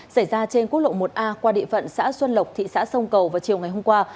xảy ra trên quốc lộ một a qua địa phận xã xuân lộc thị xã sông cầu vào chiều ngày hôm qua